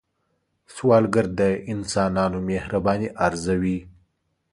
سوالګر د انسانانو مهرباني ارزوي